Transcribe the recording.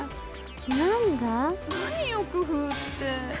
何よ、工夫って。